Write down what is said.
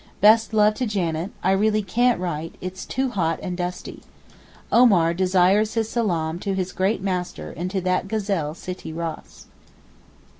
Best love to Janet, I really can't write, it's too hot and dusty. Omar desires his salaam to his great master and to that gazelle Sittee Ross.